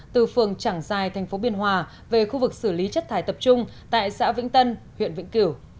từ phường trảng giài tp biên hòa về khu vực xử lý chất thải tập trung tại xã vĩnh tân huyện vĩnh kiểu